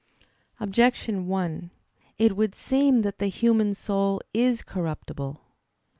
Objection 1: It would seem that the human soul is corruptible.